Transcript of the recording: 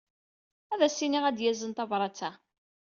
Ad as-iniɣ ad yazen tabṛat-a?